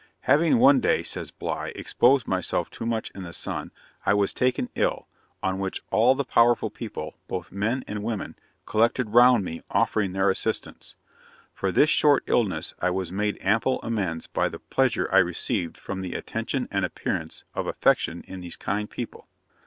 'Having one day,' says Bligh, 'exposed myself too much in the sun, I was taken ill, on which all the powerful people, both men and women, collected round me, offering their assistance. For this short illness I was made ample amends by the pleasure I received from the attention and appearance of affection in these kind people.'